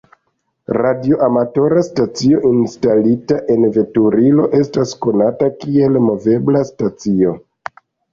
Radioamatora stacio instalita en veturilo estas konata kiel movebla stacio.